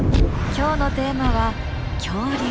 今日のテーマは「恐竜」。